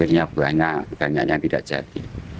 jadi banyak banyaknya tidak jadi